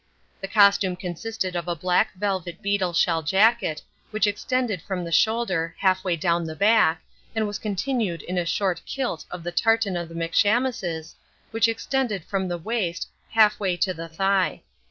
This costume consisted of a black velvet beetle shell jacket, which extended from the shoulder half way down the back, and was continued in a short kilt of the tartan of the McShamuses, which extended from the waist half way to the thigh.